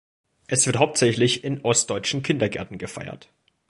Es wird hauptsächlich in ostdeutschen Kindergärten gefeiert.